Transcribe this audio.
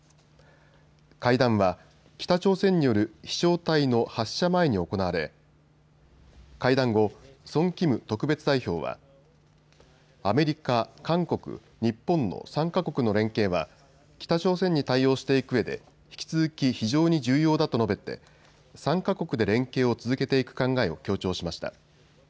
会談は北朝鮮による飛しょう体の発射前に行われ会談後ソン・キム特別代表はアメリカ、韓国、日本の３か国の連携は北朝鮮に対応していくうえで引き続き非常に重要だと述べて３か国で連携を続けていく考えを強調しました。